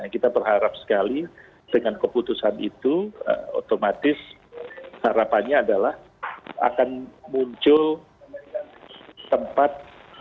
kita berharap sekali dengan keputusan itu otomatis harapannya adalah akan muncul tempat